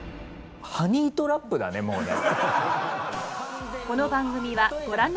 ハニートラップだねもうね。